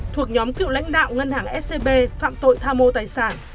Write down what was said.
thuộc nhóm cựu lãnh đạo ngân hàng scb phạm tội tham mô tài sản